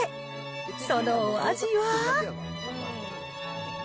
そのお味は。